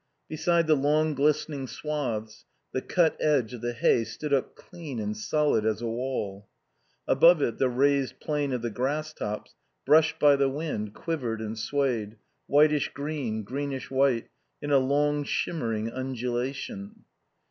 Beside the long glistening swaths the cut edge of the hay stood up clean and solid as a wall. Above it the raised plane of the grass tops, brushed by the wind, quivered and swayed, whitish green, greenish white, in a long shimmering undulation.